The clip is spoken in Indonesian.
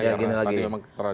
saya mau nunggu bung boni ya